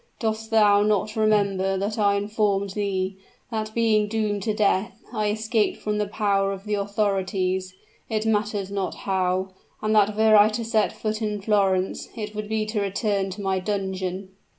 Dost thou not remember that I informed thee, that being doomed to death, I escaped from the power of the authorities it matters not how; and that were I to set foot in Florence, it would be to return to my dungeon?"